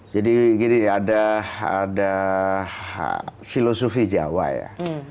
jadi gini ada filosofi jawa ya